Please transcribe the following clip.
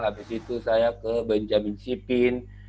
habis itu saya ke benjamin sipin